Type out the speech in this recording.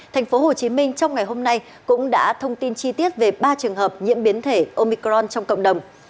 tp hcm trong ngày hôm nay cũng đã thông tin chi tiết về ba trường hợp nhiễm biến thể omicron trong cộng đồng